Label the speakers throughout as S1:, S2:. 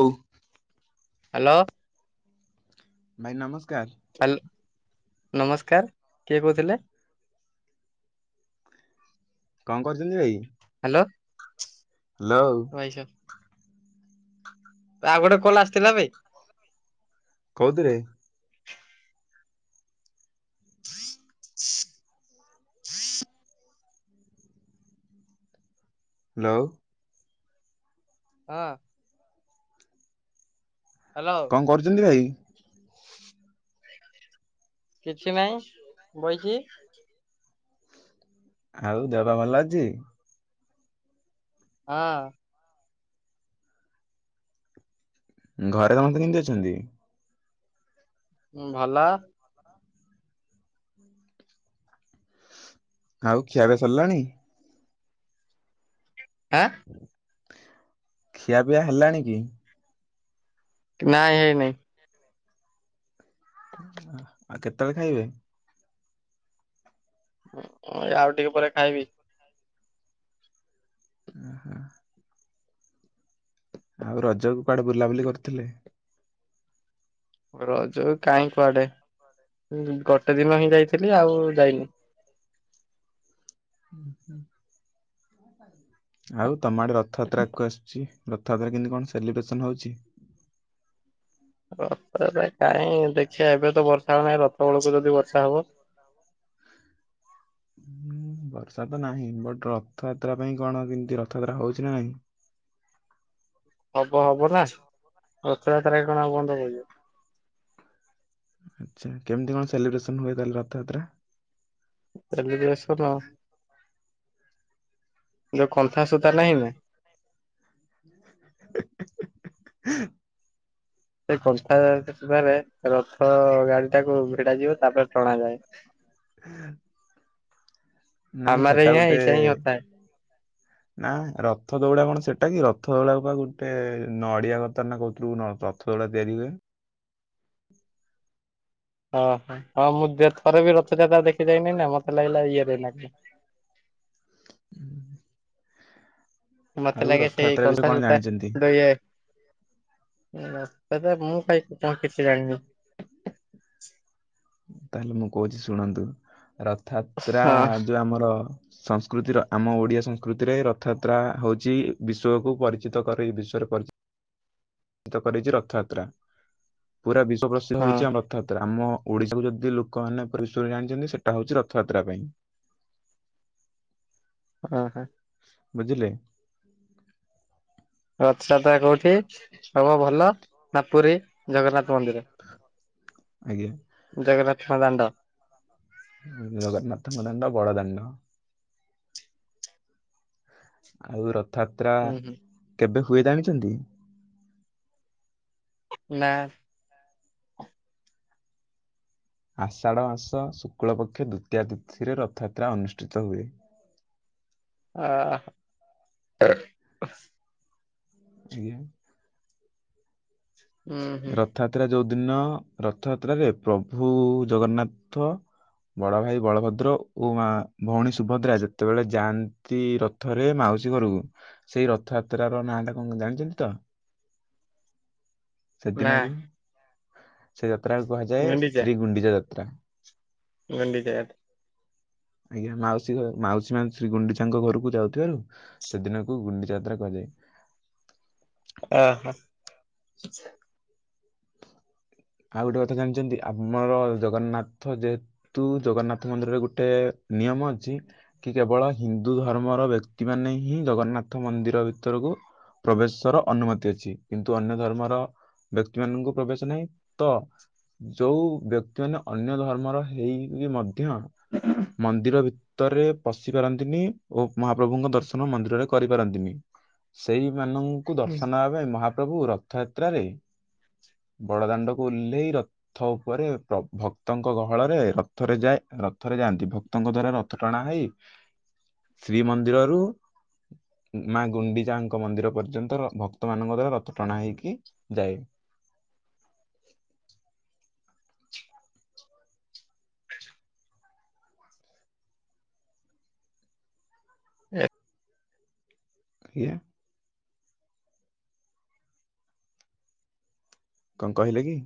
S1: ହଉ
S2: ହାଲୋ!
S1: ଭାଇ ନମସ୍
S2: [unintelligible] ନମସ୍କାର! କିଏ କହୁଥିଲେ?
S1: କଣ କରୁଛନ୍ତି ଭାଇ?
S2: ହାଲୋ
S1: ହ୍ୟାଲୋ
S2: ଭାଇସାବ୍ ଆଉ ଗୋଟେ କଲ ଆସିଥିଲା ବେ!
S1: କଉଦିରେ?
S2: [inaudible]
S1: ହାଲୋ।
S2: ହଁ! ହ୍ୟାଲୋ
S1: କଣ କରୁଛନ୍ତି ଭାଇ?
S2: କିଛି ନାଇଁ, ବଇଚି!
S1: ଆଉ ଦେହ ପା ଭଲଅଛି?
S2: ହଁ।
S1: ଘରେ ସମତେ କେନ୍ତି ଅଛନ୍ତି?
S2: ଉଁ ଭଲ।
S1: ଆଉ ଖିଆ ପିଆ ସରିଲାଣି?
S2: ଏଁ?
S1: ଖିଆ ପିଆ ହେଲାଣି କି?
S2: ନାଇଁ ହେଇ ନାଇଁ।
S1: ଆ ଆଉ କେତେବେଳେ ଖାଇବେ?
S2: [unintelligible] ଆଉ ଟିକେ ପରେ ଖାଇବି।
S1: ଓ [inaudible] ଆଉ ରଜ କୁ କୁଆଡେ ବୁଲାବୁଲି କରିଥିଲେ?
S2: ରଜକୁ କାଇଁ କୁଆଡେ ଉଁ ଗୋଟେ ଦିନ ହିଁ ଯାଇଥିଲି ଆଉ ଯାଇନି।
S1: ଆଉ ତମଆଡେ ରଥଯାତ୍ରାକୁ ଆସୁଛି ରଥଯାତ୍ରା କେମତି କଣ ସେଲିବ୍ରେସନ ହଉଛି?
S2: ରଥରେ କାହିଁ ଦେଖିବା ଏବେ ତ ବର୍ଷା ହଉ ନାହିଁ ରଥ ବେଳକୁ ଯଦି ବର୍ଷା ହବ।
S1: [inaudible] ବର୍ଷା ତ ନାହିଁ ବଟ୍ ରଥଯାତ୍ରା ପାଇଁ କଣ କେମିତି ରଥଯାତ୍ରା ହଉଛି ନା ନାଇଁ?
S2: ହବ ହବ ନା ରଥଯାତ୍ରା ଇଏ କଣ ଆଉ ବନ୍ଦ ହବ କି ଆଉ।
S1: ଆଚ୍ଛା କେମିତି କଣ ସେଲିବ୍ରେସନ ହୁଏ ତାଲେ ରଥଯାତ୍ରା?
S2: ଏବେ ବି ଆସୁନ ଯୋଉ କନ୍ଥାସୂତା ନାହିଁ ନା।
S1: ହେଁ ହେଁ ହେଁ ହେଁ ହେଁ ହେଁ।
S2: ସେ କଣ୍ଟା କାଟିବାରେ ରଥ ତ ଗାଡି ଟାକୁ ଭିଡା ଯିବ, ତାପରେ ଟଣା ଯାଏ।
S1: ନା ମୁଁ ସେଟା
S2: ହାମାରେ ୟାହାଁ
S1: ଗୋଟେ
S2: ଏସା ହିଁ ହୋତା ହେଁ।
S1: ନା ରଥ ଦଉଡା କଣ ସେଟା କି? ରଥ ଦଉଡା ବା ଗୋଟେ ନଡିଆ କତା ନା କୋଉଥିରୁ ନ ରଥ [unintelligible]
S2: ଅ ହ ହଁ ମୁଁ ଦେ ଥରେ ବି ରଥଯାତ୍ରା ଦେଖି ଯାଇନି ନା! ମତେ ଲାଗିଲା ଇଏରେ ଲାଗିଲା ମତେ
S1: ଆଉ
S2: ଲାଗେ ସେଇ
S1: ରଥଯାତ୍ରା ବିଷୟରେ
S2: କଞ୍ଚା
S1: କଣ
S2: ଗଟା
S1: ଜାଣିଛନ୍ତି
S2: ଦୁଇ [unintelligible] ତ ମୁଁ ଖାଇି କଣ କିଛି ଜାଣିନି [unintelligible]
S1: ତାହେଲେ ମୁଁ କହୁଛି ଶୁଣନ୍ତୁ ରଥ ଯାତ୍ରା
S2: ହଁ
S1: ଯୋଉ ଆମର ସଂସ୍କୃତିର ଆମ ଓଡିଆ ସଂସ୍କୃତିରେ ରଥଯାତ୍ରା ହଉଛି ବିଶ୍ଵ କୁ ପରିଚିତ କରି ବିଶ୍ୱରେ ପରିଚିତ ଏଥ କରିଛି ରଥଯାତ୍ରା। ପୁରା ବିଶ୍ଵ ପ୍ରସିଦ୍ଧ
S2: ହଁ
S1: ହଉଛି ଆମ ରଥଯାତ୍ରା। ଆମ ଓଡିଶାକୁୁ ଯଦି ଲୋକମାନୋନ ପରିସରରେ ଜାଣିଛନ୍ତି ସେଟା ହଉଛି ରଥଯାତ୍ରା ପାଇଁ। [inaudible] [unintelligible]
S2: ହଁ, ହଁ
S1: ବୁଝିଲେ
S2: ରଥଯାତ୍ରା କୋଉଠି ହବ ଭଲ ନା ପୁରୀ ଜଗନ୍ନାଥ ମନ୍ଦିର
S1: ଆଜ୍ଞା।
S2: ଜଗରନାଥ ଙ୍କ ଦାଣ୍ଡ
S1: ଜଗନ୍ନାଥଙ୍କ ଦାଣ୍ଡ ବଡ ଦାଣ୍ଡ ଆଉ ରଥ ଯାତ୍ରା
S2: ହୁଁ ହୁଁ
S1: କେବେ ହୁଏ ଜାଣିଛନ୍ତି?
S2: ନା।
S1: ଆଷାଢ ମାସ ଶୁକ୍ଳ ପକ୍ଷ ଦ୍ଵିତୀୟ ତିଥିରେ ରଥଯାତ୍ରା ଅନୁଷ୍ଠିତ ହୁଏ। [inaudible] [unintelligible]
S2: ଆ [unintelligible]
S1: ଆଜ୍ଞା।
S2: ହୁଁ ହୁଁ
S1: ରଥଯାତ୍ରା ଯୋଉ ଦିନ ରଥଯାତ୍ରାରେ ପ୍ରଭୁ ଜଗନ୍ନାଥ ବଡ ଭାଇ ବଳଭଦ୍ର ଓ ମା ଭଉଣୀ ସୁଭଦ୍ରା ଯେତେବେଳେ ଯାଆନ୍ତି ରଥରେ ମାଉ ମାଉସୀ ଘରକୁ ସେଇ ରଥଯାତ୍ର ର ନାଁ ଟା କଣ ଜାଣିଛନ୍ତି ତ?
S2: ନା
S1: ସେଦିନକୁ, ସେ ଯାତ୍ରାକୁ କୁହାଯାଏ
S2: ଗୁଣ୍ଡିଚା
S1: ଶ୍ରୀ ଗୁଣ୍ଡିଚା ଯାତ୍ରା।
S2: ଗୁଣ୍ଡିଚା ଯାତ୍ରା
S1: [unintelligible] [inaudible] ଆଜ୍ଞା ମାଉସୀ ଘ ମାଉସୀ ମାଆ ଶ୍ରୀ ଗୁଣ୍ଡିଚାଙ୍କ ଘରକୁ ଯାଉଥିବାରୁ, ସେଦିନକୁ ଗୁଣ୍ଡିଚା ଯାତ୍ରା କୁହାଯାଏ। [unintelligible] [inaudible]
S2: ଓହୋ।
S1: ଆଉ ଗୋଟେ କଥା ଜାଣିଚନ୍ତି ଆମର ଜଗନ୍ନାଥ ଯେହେତୁ ଜଗନ୍ନାଥ ମନ୍ଦିରରେ ଗୋଟେ ନିୟମ ଅଛି, କି କେବଳ ହିନ୍ଦୁ ଧର୍ମର ବ୍ୟକ୍ତି ମାନେ ହିଁ ଜଗନ୍ନାଥ ମନ୍ଦିର ଭିତରକୁ ପ୍ରବେଶର ଅନୁମତି ଅଛି। କିନ୍ତୁ ଅନ୍ୟ ଧର୍ମର ବ୍ୟକ୍ତିମାନଙ୍କୁ ପ୍ରବେଶ ନାହିଁ। ତ ଯୋଉ ବ୍ୟକ୍ତି ମାନେ ଅନ୍ୟ ଧର୍ମର ହେଇକି ମଧ୍ୟ ମଧ୍ୟ ମନ୍ଦିର ଭି ଭିତରେ ପଶି ପାରନ୍ତିନି ଓ ମହାପ୍ରଭୁଙ୍କ ଦର୍ଶନ ମନ୍ଦିରରେ କରିପାରନ୍ତିନି, ସେଇ ମାନଙ୍କୁ ଦର୍ଶନ ଦବା ପାଇଁ ମହାପ୍ରଭୁ ରଥଯାତ୍ରାରେ, ବଡ ଦାଣ୍ଡକୁ ଓହ୍ଲେଇ ରଥ ଉପରେ ଭ-ଭକ୍ତଙ୍କ ଗହଳରେ ରଥରେ ଯାଇଁ ରଥରେ ଯାଆନ୍ତି। ଭକ୍ତ ଙ୍କ ଦ୍ଵାରା ରଥ ଟଣା ହେଇ ଶ୍ରୀମନ୍ଦିରରୁ ମା ଗୁଣ୍ଡିଚାଙ୍କ ମନ୍ଦିର ପର୍ଯ୍ୟନ୍ତର ଭକ୍ତ ମାନଙ୍କ ଦ୍ଵାରା ରଥ ଟଣା ହେଇକି ଯାଏ। ହଁ [inaudible]
S2: ଏ
S1: ଆଜ୍ଞା। କଣ କହିଲେ କି?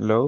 S1: ହ୍ୟାଲୋ।